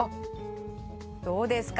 どうですか